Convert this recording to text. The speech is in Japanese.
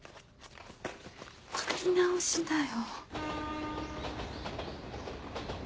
書き直しだよ。